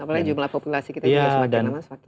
apalagi jumlah populasi kita juga semakin nama semakin besar